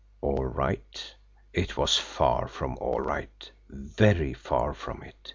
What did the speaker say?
All right! It was far from "all right" very far from it.